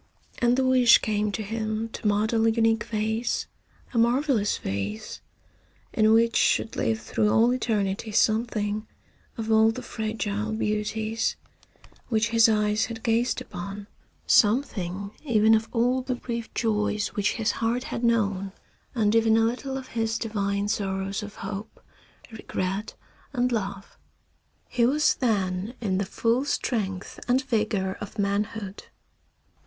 And the wish came to him to model a unique vase, a marvellous vase, in which should live through all eternity something of all the fragile beauties which his eyes had gazed upon; something even of all the brief joys which his heart had known, and even a little of his divine sorrows of hope, regret and love. He was then in the full strength and vigor of manhood.